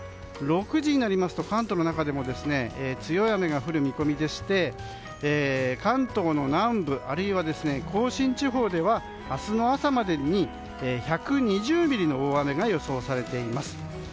６時になると関東の中でも強い雨が降る見込みでして関東の南部あるいは甲信地方では明日の朝までに１２０ミリの大雨が予想されています。